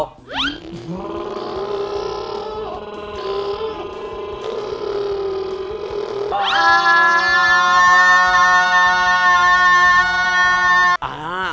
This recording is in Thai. ว่าทำว่า